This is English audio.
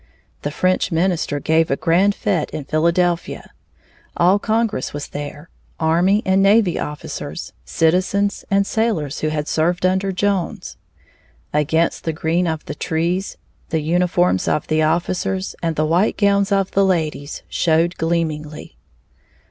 The French minister gave a grand fête in Philadelphia. All Congress was there, army and navy officers, citizens, and sailors who had served under Jones. Against the green of the trees, the uniforms of the officers and the white gowns of the ladies showed gleamingly.